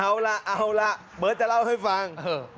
เอาล่ะเอาล่ะเบิร์ตจะเล่าให้ฟัง